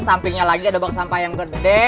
sampingnya lagi ada bak sampah yang gede